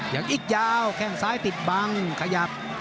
ยังอีกยาวแข้งซ้ายติดบังขยับ